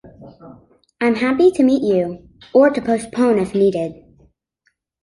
I'm happy to meet you, or to postpone if needed.